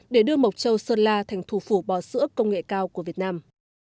để đưa mộc châu sơn la thành thủ phủ bò sữa công nghệ cao của việt nam